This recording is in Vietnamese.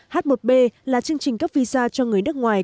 h một b là chương trình cấp visa cho người nước ngoài